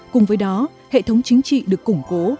cùng với đó hệ thống chính trị được củng cố